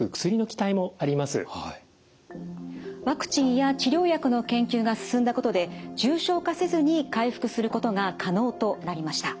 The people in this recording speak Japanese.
ワクチンや治療薬の研究が進んだことで重症化せずに回復することが可能となりました。